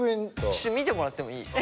ちょっと見てもらってもいいですか？